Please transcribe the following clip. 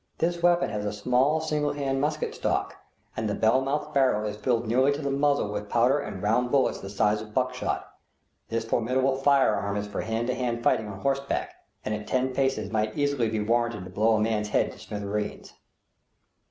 This weapon has a small single hand musket stock, and the bell mouthed barrel is filled nearly to the muzzle with powder and round bullets the size of buckshot. This formidable firearm is for hand to hand fighting on horseback, and at ten paces might easily be warranted to blow a man's head into smithereens.